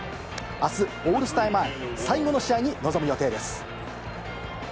あす、オールスター前、最後の試合に臨む予定です。